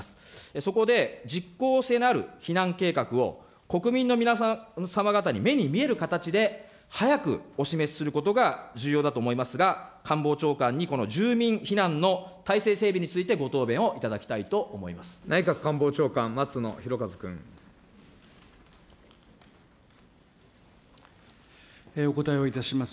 そこで、実効性のある避難計画を、国民の皆様方に目に見える形で、早くお示しすることが重要だと思いますが、官房長官に、この住民避難の体制整備についてご答弁をいただきたいと思います。